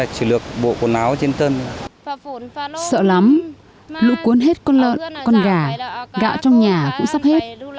sợ lắm lũ cuốn hết con lợn con gà gạo trong nhà cũng sắp hết